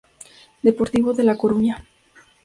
Deportivo de la Coruña.